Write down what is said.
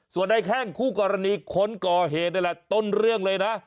ส่วนในแข้งคู่กรณีคนก่อเหตุนี่แหละต้นเรื่องเลยนะ